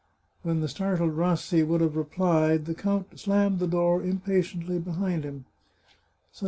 When the startled Rassi would have replied, the count slammed the door impatiently behind him.